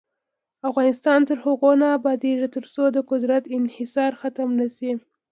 افغانستان تر هغو نه ابادیږي، ترڅو د قدرت انحصار ختم نشي.